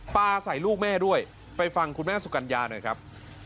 ปลาใส่ลูกแม่ด้วยไปฟังคุณแม่สุกัญญาหน่อยครับ